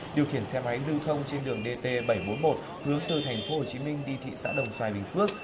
điều khiển xe máy lưu thông trên đường dt bảy trăm bốn mươi một hướng từ thành phố hồ chí minh đi thị xã đồng xoài bình phước